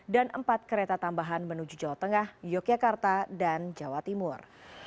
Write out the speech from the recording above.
dan empat kereta tambahan menuju jawa tengah yogyakarta dan jawa timur